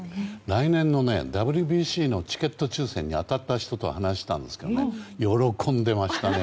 来年のＷＢＣのチケット抽選に当たった人と話したんですけど喜んでましたね。